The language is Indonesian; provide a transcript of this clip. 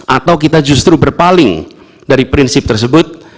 atau kita justru berpaling dari prinsip tersebut